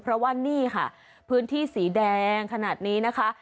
เพราะว่านี่ค่ะพื้นที่สีแดงขนาดนี้นะคะ